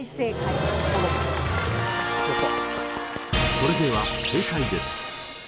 それでは正解です！